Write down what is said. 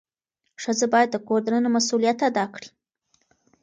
ښځه باید د کور دننه مسؤلیت ادا کړي.